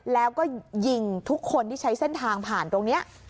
แล้วก็ยิงทุกคนที่ใช้เส้นทางผ่านตรงนี้